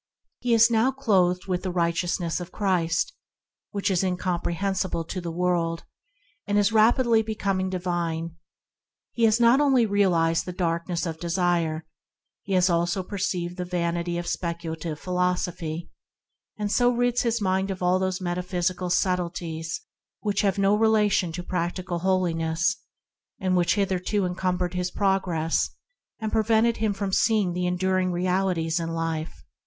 He is now clothed with the Righteousness of Christ — which is incomprehensible to the world — and is rapidly becoming divine. He has not only realized the darkness of desire; he has also perceived the vanity of speculative philosophy, and so he rids his mind of all the metaphysical subtleties that have no relation to practical holiness, have hitherto encumbered his progress, and pre vented him from seeing the enduring realities in life.